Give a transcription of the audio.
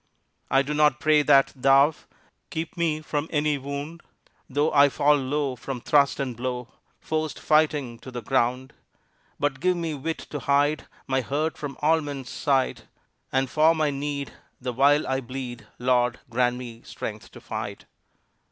I do not pray that Thou Keep me from any wound, Though I fall low from thrust and blow, Forced fighting to the ground; But give me wit to hide My hurt from all men's sight, And for my need the while I bleed, Lord, grant me strength to fight.